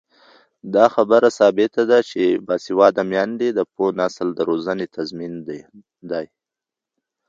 دا خبره ثابته ده چې باسواده میندې د پوه نسل د روزنې تضمین دي.